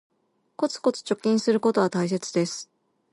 コツコツ貯金することは大切です